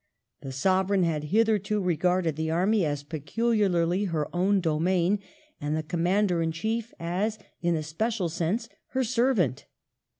The Sovereign had hitherto regarded the Army as peculiarly her own dotnain and the Commander in Chief as, in a special sense, her servant.